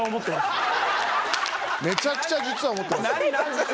めちゃくちゃ実は思ってました。